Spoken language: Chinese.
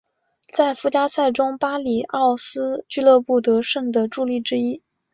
在附加赛中巴里奥斯俱乐部得胜的助力之一。